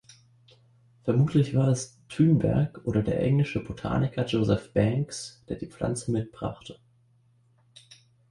Vermutlich war es Thunberg oder der englische Botaniker Joseph Banks, der die Pflanze mitbrachte.